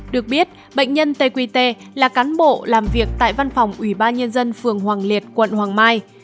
được biết bệnh nhân t q t là cán bộ làm việc tại văn phòng ubnd phường hoàng liệt quận hoàng mai